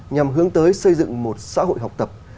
nhằm hướng tới xây dựng một xã hội học tập